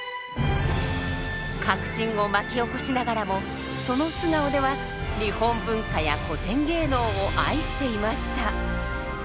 革新を巻き起こしながらもその素顔では日本文化や古典芸能を愛していました。